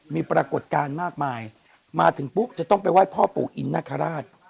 มีปรากฏการณ์มากมายมาถึงปุ๊บจะต้องไปไหว้พ่อปู่อินนคราช